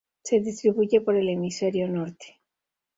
Se distribuye por el Hemisferio Norte.